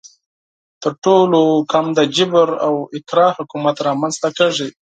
تر ټولو کم د جبر او اکراه حکومت رامنځته کیږي.